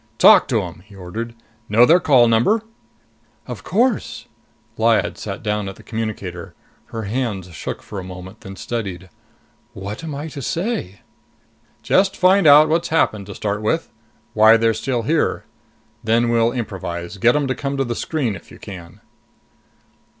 "Talk to 'em," he ordered. "Know their call number?" "Of course," Lyad sat down at the communicator. Her hands shook for a moment, then steadied. "What am I to say?" "Just find out what's happened, to start with. Why they're still here. Then we'll improvise. Get them to come to the screen if you can."